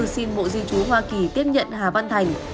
xin bộ di chú hoa kỳ tiếp nhận hà văn thành